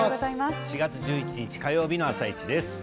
４月１１日火曜日の「あさイチ」です。